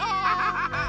ハハハハ！